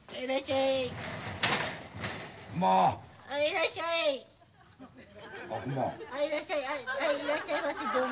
いらっしゃいませどうも。